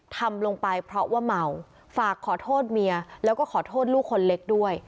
ทำลงไปเพราะว่าเมาฝากขอโทษเมียแล้วก็ขอโทษลูกคนเล็กด้วย